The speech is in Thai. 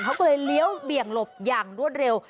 เขาก็เลยเลี้ยวเบี่ยงหลบอย่างรวดเร็ว